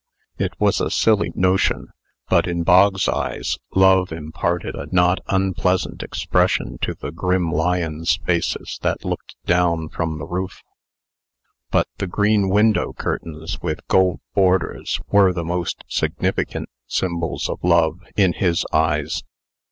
It was a silly notion; but, in Bog's eyes, love imparted a not unpleasant expression to the grim lions' faces that looked down from the roof. But the green window curtains with gold borders were the most significant symbols of love, in his eyes.